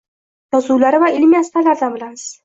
Yozuvlari va ilmiy asarlaridan bilamiz.